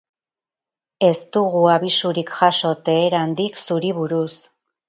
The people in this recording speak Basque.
Ez dugu abisurik jaso Teherandik zuri buruz.